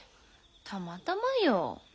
たまたまよ。